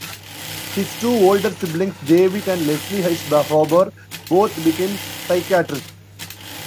His two older siblings, David and Leslie H. Farber, both became psychiatrists.